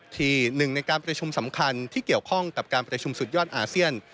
ที่หนึ่งในการประชุมสำคัญที่เกี่ยวข้องกับการประชุมสุดยอดอาเซียน